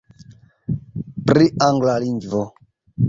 Pri angla lingvo.